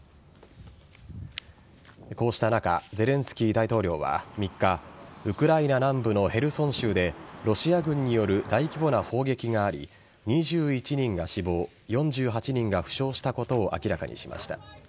こうした中ゼレンスキー大統領は３日ウクライナ南部のヘルソン州でロシア軍による大規模な砲撃があり２１人が死亡４８人が負傷したことを明らかにしました。